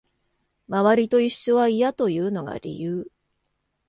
周りと一緒は嫌というのが理由